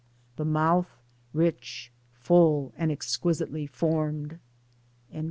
The mouth rich, full, and exquisitely formed."